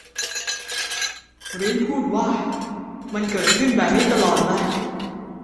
ริ้นพูดว่า มันเกิดขึ้นแบบนี้ตลอดแหละ